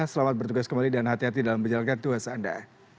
selamat bertugas kembali dan hati hati dalam menjalankan tugas anda